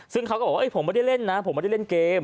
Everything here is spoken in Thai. ซึ่งเขาก็บอกว่าผมไม่ได้เล่นนะผมไม่ได้เล่นเกม